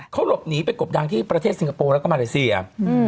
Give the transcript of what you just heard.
เขาหลบหนีไปกบดังที่ประเทศสิงคโปร์แล้วก็มาเลเซีย